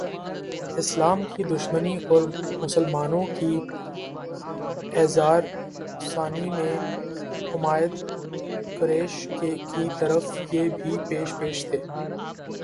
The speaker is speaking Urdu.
اسلام کی دشمنی اورمسلمانوں کی ایذارسانی میں عمائد قریش کی طرح یہ بھی پیش پیش تھے